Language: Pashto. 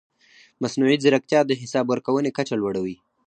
مصنوعي ځیرکتیا د حساب ورکونې کچه لوړوي.